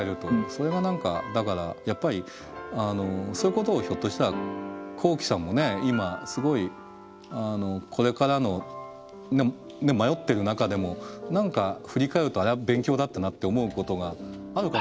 それはだからやっぱりそういうことをひょっとしたらこうきさんもね今すごいこれからの迷ってる中でも何か振り返るとあれは勉強だったなって思うことがあるかもしんないねきっとね。